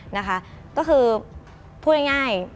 นะคะก็คือพูดง่าย